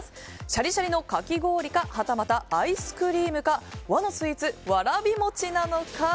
シャリシャリのかき氷かはたまたアイスクリームか和のスイーツ、わらび餅なのか。